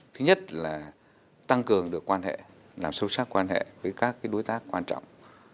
thứ nhất là tăng cường được quan hệ làm sâu sắc quan hệ với các đối tác quan trọng